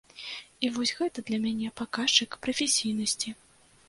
І вось гэта для мяне паказчык прафесійнасці.